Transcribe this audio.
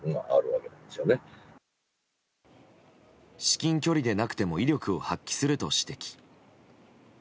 至近距離でなくても威力を発揮すると指摘。